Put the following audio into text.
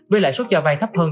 với lại số cho vai thấp hơn